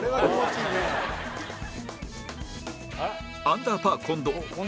アンダーパー近藤